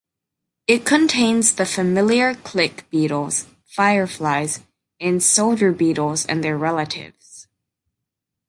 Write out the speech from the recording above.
It contains the familiar click beetles, fireflies, and soldier beetles and their relatives.